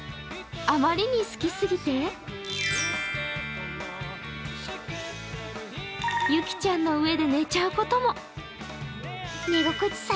あまりに好きすぎてユキちゃんの上で寝ちゃうことも。